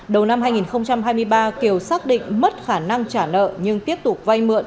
đầu năm hai nghìn hai mươi ba kiều xác định mất khả năng trả nợ nhưng tiếp tục vay mượn